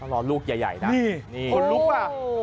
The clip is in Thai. ต้องรอลูกใหญ่นะนี่คนลุกป่ะ